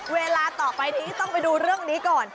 เวลาต่อไปนี้ต้องไปดูเรื่องนี้ก่อน